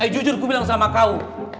jujur ku bilang sama kau